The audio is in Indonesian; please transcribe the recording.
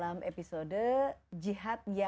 aku indri mau tanya